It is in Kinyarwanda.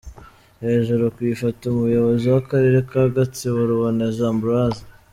Hejuru ku ifoto:Umuyobozi w’akarere ka Gatsibo Ruboneza Ambroise.